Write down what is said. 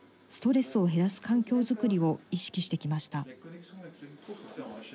ストレスの少ない環境作りを意識してきました。